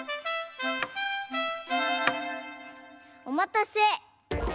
おまたせ。